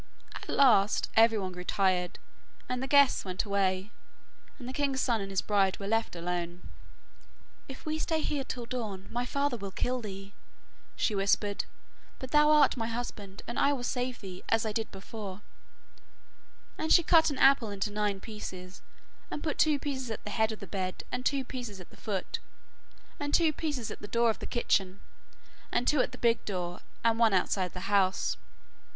At last everyone grew tired, and the guests went away, and the king's son and his bride were left alone. 'If we stay here till dawn my father will kill thee,' she whispered, 'but thou art my husband and I will save thee, as I did before,' and she cut an apple into nine pieces, and put two pieces at the head of the bed, and two pieces at the foot, and two pieces at the door of the kitchen, and two at the big door, and one outside the house.